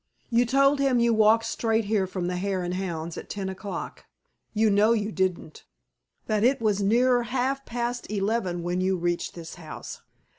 You told him you walked straight here from the Hare and Hounds at ten o'clock. You know you didn't—that it was nearer half past eleven when you reached this house.